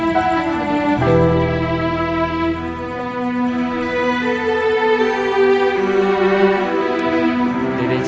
mak bapak bapak